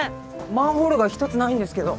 マンホールが１つないんですけど。